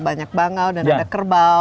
banyak bangau dan ada kerbau